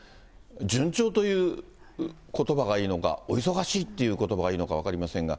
順調ということばがいいのか、お忙しいっていうことばがいいのか、分かりませんが。